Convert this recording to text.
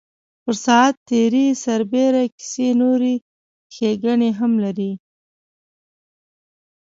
پر ساعت تېرۍ سربېره کیسې نورې ښیګڼې هم لري.